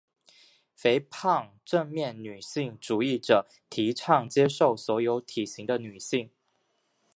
肥胖正面女性主义者提倡接受所有体型的女性。